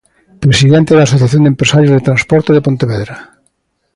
Presidente da Asociación de Empresarios de Transporte de Pontevedra.